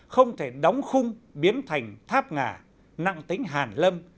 không thể đóng khung biến thành tháp ngà nặng tính hàn lâm